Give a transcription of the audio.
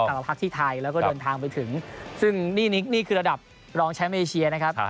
เราพักที่ไทยแล้วก็เดินทางไปถึงซึ่งนี่คือระดับรองแชมป์เอเชียนะครับ